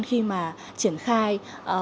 khi mà triển khai